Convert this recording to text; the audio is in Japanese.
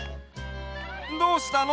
どうしたの？